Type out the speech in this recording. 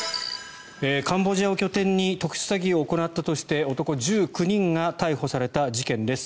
カンボジアを拠点に特殊詐欺を行ったとして男１９人が逮捕された事件です。